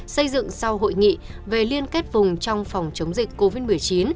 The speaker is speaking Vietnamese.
xây dựng sau hội nghị về liên kết vùng trong phòng chống dịch covid một mươi chín